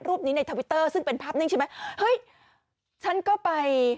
รูปนี้ในทวิตเตอร์ซึ่งเป็นภาพนิ่งใช่ไหมเฮ้ยฉันก็ไป